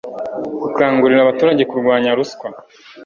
gukangurira abaturage kurwanya ruswa